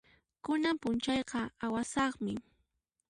Kunan p'unchayqa awasaqmi.